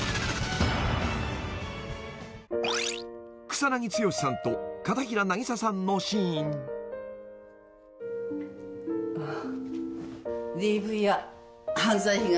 ［草剛さんと片平なぎささんのシーン］あっ。